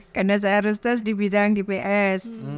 karena saya harus tes di bidang dps